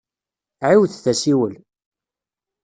Ɛiwdet asiwel.